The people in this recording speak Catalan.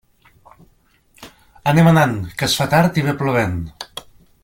Anem anant, que es fa tard i ve plovent.